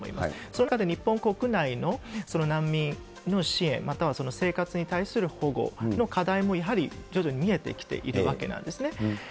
その中で日本国内の難民の支援、または生活に対する保護の課題も、やはり徐々に見えてきているわけなんですね。